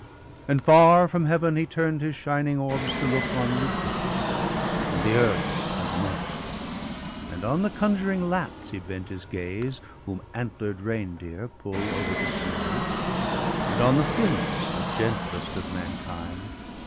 And far from Heaven he turn'd his shining orbs To look on Midgard, and the earth, and men. And on the conjuring Lapps he bent his gaze Whom antler'd reindeer pull over the snow; And on the Finns, the gentlest of mankind.